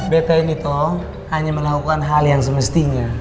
betta ini toh hanya melakukan hal yang semestinya